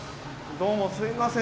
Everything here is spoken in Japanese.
どうもすいません